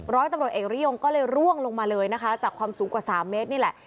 ร้อยตำรวจเอกริยงก็เลยร่วงลงมาเลยนะคะจากความสูงกว่า๓เมตรนี่แหละ